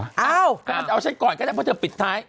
เอางั้นเอาฉันก่อนก็ได้เพราะเธอปิดท้าย